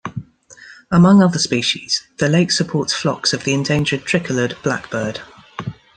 Among other species, the lake supports flocks of the endangered tricolored blackbird.